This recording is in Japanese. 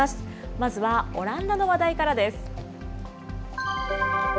まずはオランダの話題からです。